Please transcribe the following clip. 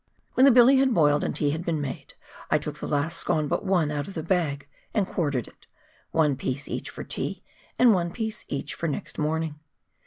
When the billy had boiled, and tea been made, I took the last scone but one out of the bag and quartered it — one piece each for tea and one piece each for next morning.